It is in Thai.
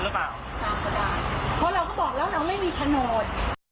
เพราะเราก็บอกแล้วเราไม่มีฉนด